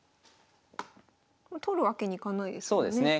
取るわけにいかないですもんね。